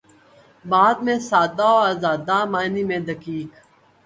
بات میں سادہ و آزادہ، معانی میں دقیق